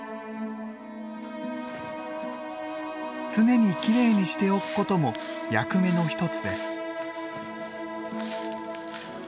常にきれいにしておくことも役目の一つです。